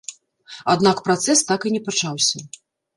Аднак працэс так і не пачаўся.